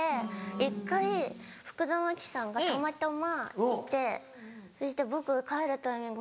一回福田麻貴さんがたまたまいてそして僕帰るタイミング